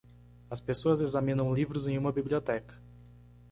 As pessoas examinam livros em uma biblioteca.